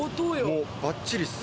もうばっちりっす。